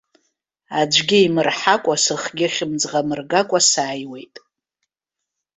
Аӡәгьы имырҳакәа, сыхгьы хьымӡӷ амыргакәа сааиуеит.